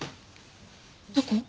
どこ？